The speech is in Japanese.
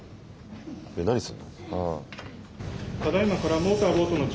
何すんの？